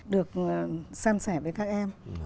được sang sẻ với các em